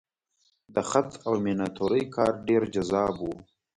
د خط او میناتورۍ کار ډېر جذاب و.